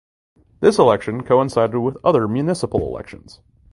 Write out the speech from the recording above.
This election coincided with other municipal elections.